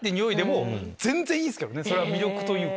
それは魅力というか。